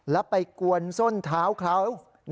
แล้วไปกวนส้นเท้าเขา